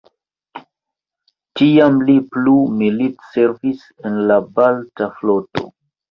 Tiam li plu militservis en la Balta floto.